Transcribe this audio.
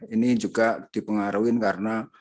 ini juga dipengaruhi karena